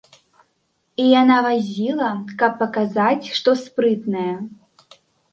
І яна вазіла, каб паказаць, што спрытная.